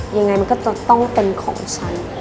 ยังไงมันก็จะต้องเป็นของฉัน